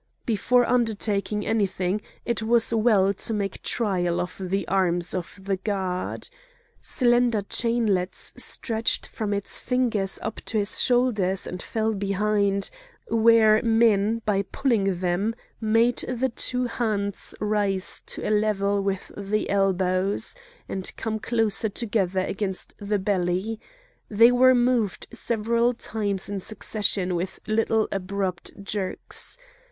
Before undertaking anything it was well to make trial of the arms of the god. Slender chainlets stretched from his fingers up to his shoulders and fell behind, where men by pulling them made the two hands rise to a level with the elbows, and come close together against the belly; they were moved several times in succession with little abrupt jerks.